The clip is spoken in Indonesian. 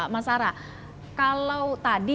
mas sarah kalau tadi